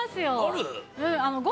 ある？